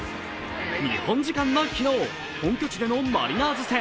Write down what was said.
日本時間の今日、本拠地でのマリナーズ戦。